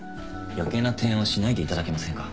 余計な提案をしないでいただけませんか？